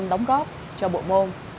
đóng góp cho bộ môn